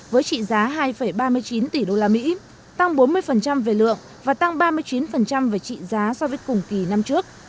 với trị giá hai ba mươi chín tỷ usd tăng bốn mươi về lượng và tăng ba mươi chín về trị giá so với cùng kỳ năm trước